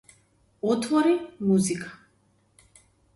Отвори Музика.